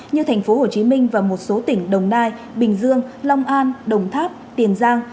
như tp hcm và một số tỉnh đồng nai bình dương long an đồng tháp tiền giang